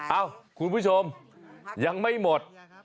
เอ้าคุณผู้ชมยังไม่หมด